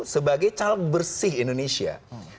sebagai caleg bersih indonesia